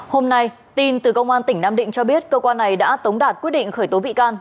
hôm nay tin từ công an tỉnh nam định cho biết cơ quan này đã tống đạt quyết định khởi tố bị can